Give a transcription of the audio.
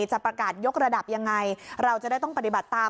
จะประกาศยกระดับยังไงเราจะได้ต้องปฏิบัติตาม